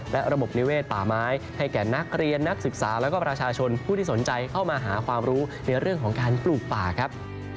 และระบบนิเวศป่าไม้ให้แก่นักเรียนนักศึกษาแล้วก็ประชาชนผู้ที่สนใจเข้ามาหาความรู้ในเรื่องของการปลูกป่าครับ